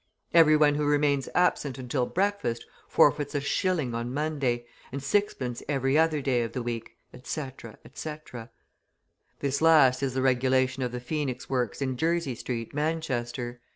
Every one who remains absent until breakfast forfeits a shilling on Monday, and sixpence every other day of the week, etc, etc. This last is the regulation of the Phoenix Works in Jersey Street, Manchester.